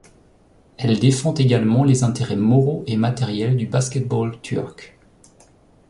Elle défend également les intérêts moraux et matériels du basket-ball turc.